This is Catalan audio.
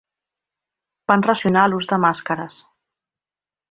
Van racionar l’ús de màscares.